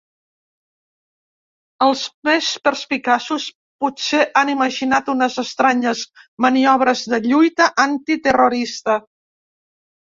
Els més perspicaços potser han imaginat unes estranyes maniobres de lluita antiterrorista.